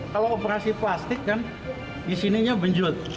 kalau operasi plastik kan disininya benjut